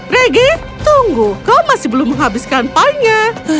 regi tunggu kau masih belum menghabiskan pie nya